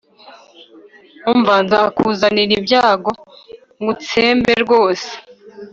‘Umva nzakuzanira ibyago ngutsembe rwose